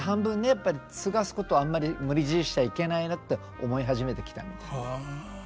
やっぱり継がすことはあんまり無理強いしちゃいけないなって思い始めてきたみたい。